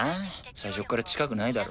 最初っから近くないだろ。